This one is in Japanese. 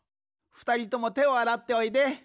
ふたりともてをあらっておいで。